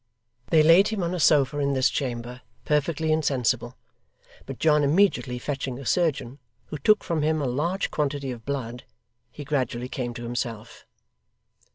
They laid him on a sofa in this chamber, perfectly insensible; but John immediately fetching a surgeon, who took from him a large quantity of blood, he gradually came to himself.